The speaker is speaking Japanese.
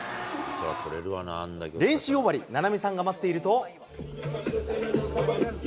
練習終わり、菜波さんが待っていると。